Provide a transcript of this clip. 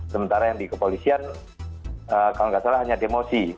sementara yang di kepolisian kalau nggak salah hanya demosi